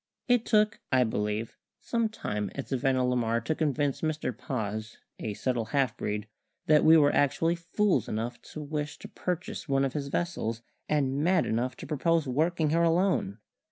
It took (I believe) some time at Savannah la Mar to convince Mr Paz, a subtle half breed, that we were actually fools enough to wish to purchase one of his vessels, and mad enough to propose working her alone.